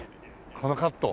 このカット。